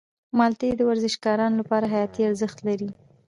مالټې د ورزشکارانو لپاره حیاتي ارزښت لري.